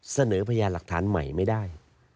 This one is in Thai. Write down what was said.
พยานหลักฐานใหม่ไม่ได้